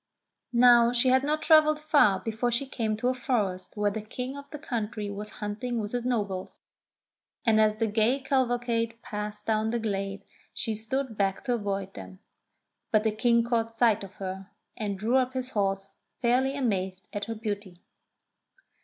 Now she had not travelled far before she came to a forest where the King of the country was hunting with his nobles, and as the gay cavalcade passed down the glade she stood back to avoid them ; but the King caught sight of her, and drew up his horse, fairly amazed at her beauty.